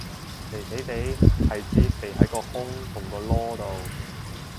肥肥哋係指肥喺個胸同個籮度